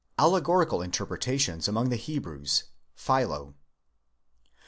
ALLEGORICAL INTERPRETATIONS AMONG THE HEBREWS.—PHILO.